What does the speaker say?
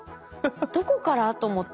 「どこから？」と思って。